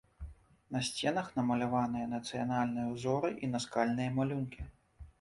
На сценах намаляваныя нацыянальныя ўзоры і наскальныя малюнкі.